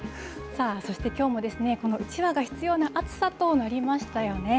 さあ、そしてきょうも、このうちわが必要な暑さとなりましたよね。